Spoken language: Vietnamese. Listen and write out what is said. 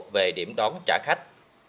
về điểm đón trả khách